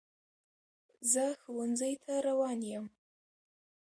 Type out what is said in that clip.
زه ښوونځي ته روان یم.